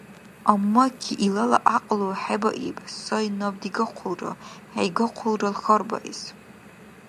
Аммаки илала гӀякьлу хӀебаиб сай наб дигахъулрал, хӀейгахъулрал, хьарбаэс.